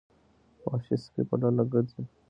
وحشي سپي په ډله ګرځي.